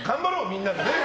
みんなでね。